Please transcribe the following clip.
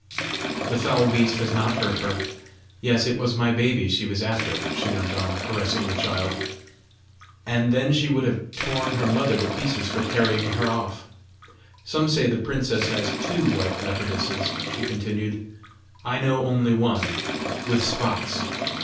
The foul beast has not hurt her! Yes: it was my baby she was after!" she went on, caressing the child. "And then she would have torn her mother to pieces for carrying her off! Some say the princess has two white leopardesses," she continued: "I know only one with spots.